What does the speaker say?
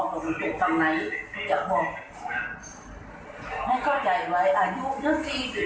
เป็นคนซักให้เจ้าหน้าที่ไปอ่ะให้มือถือด้วย